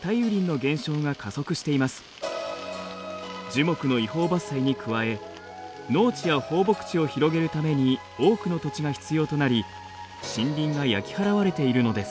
樹木の違法伐採に加え農地や放牧地を広げるために多くの土地が必要となり森林が焼き払われているのです。